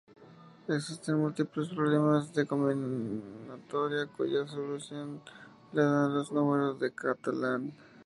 Existen múltiples problemas de combinatoria cuya solución la dan los números de Catalan.